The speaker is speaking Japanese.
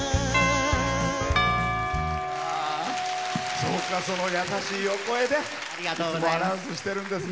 そうかその優しいお声でいつもアナウンスしてるんですね。